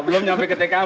belum sampai ke tkp pak